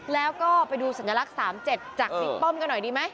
แล้วก็ไปดูสัญลักษณ์๓๗จากบิ๊กป้อมกันหน่อยดีไหม